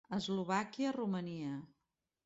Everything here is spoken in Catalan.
Eslovàquia, Romania.